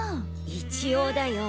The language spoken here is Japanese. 一応だよ。